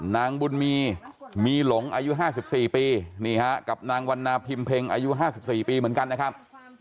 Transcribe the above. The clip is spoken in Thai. นางบุญมีมีหลงอายุ๕๔ปีนี่ฮะกับนางวันนาพิมเพ็งอายุ๕๔ปีเหมือนกันนะครับ